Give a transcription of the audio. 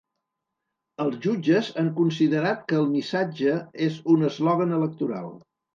Els jutges han considerat que el missatge és un eslògan electoral.